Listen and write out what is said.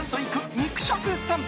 肉食さんぽ。